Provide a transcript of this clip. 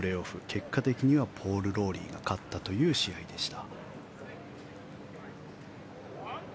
結果的にはポール・ローリーが勝ったという試合でした。